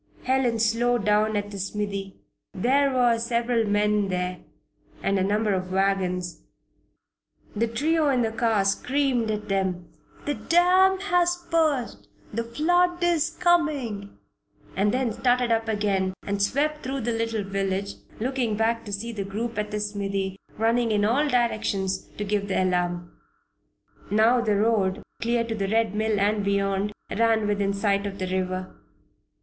Helen slowed down at the smithy. There were several men there and a number of wagons. The trio in the car screamed at them: "The dam has burst! The flood is coming!" and then started up again and swept through the little village, looking back to see the group at the smithy running in all directions to give the alarm. Now the road, clear to the Red Mill and beyond, ran within sight of the river.